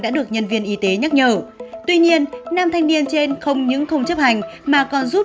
đã được nhân viên y tế nhắc nhở tuy nhiên nam thanh niên trên không những không chấp hành mà còn giúp